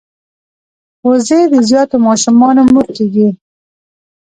وزې د زیاتو ماشومانو مور کیږي